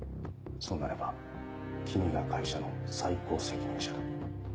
そうなれば君が会社の最高責任者だ。